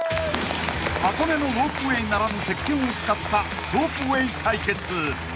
［箱根のロープウェイならぬせっけんを使ったソープウェイ対決］